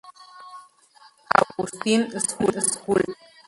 Augustine School".